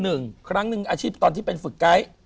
หนึ่งครั้งหนึ่งอาชีพตอนที่เป็นฝึกไกด์